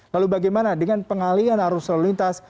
lalu bagaimana dengan pengalian arus lalu lintas